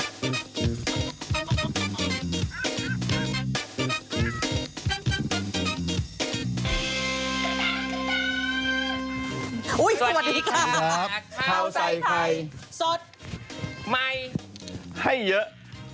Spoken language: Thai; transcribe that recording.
สวัสดีค่ะข้าวใส่ไข่สดใหม่ให้เยอะ